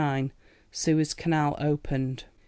Suez Canal opened.